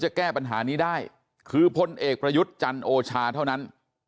แก้ปัญหานี้ได้คือพลเอกประยุทธ์จันโอชาเท่านั้น